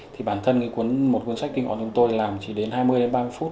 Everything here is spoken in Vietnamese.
thì bản thân một cuốn sách tinh gọn của chúng tôi làm chỉ đến hai mươi ba mươi phút